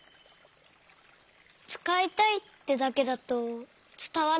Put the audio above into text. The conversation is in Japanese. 「つかいたい」ってだけだとつたわらないのかな？